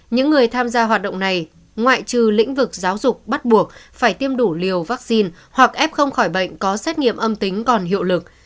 những người tham gia hoạt động này ngoại trừ lĩnh vực giáo dục bắt buộc phải tiêm đủ liều vaccine hoặc f khỏi bệnh có xét nghiệm âm tính còn hiệu lực